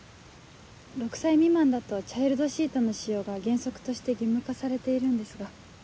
６歳未満だとチャイルドシートの使用が原則として義務化されているんですが。